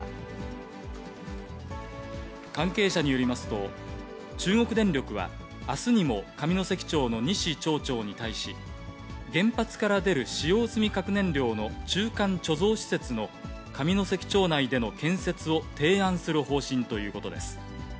原発から出る使用済み核燃料の中間貯蔵施設の建設を、山口県上関関係者によりますと、中国電力は、あすにも上関町の西町長に対し、原発から出る使用済み核燃料の中間貯蔵施設の上関町内での建設を提案する方針ということです。